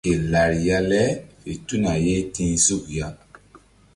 Ke lariya le fe tuna ye ti̧h suk ya.